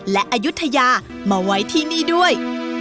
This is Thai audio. และอายุทยามาไว้ที่นี่ด้วย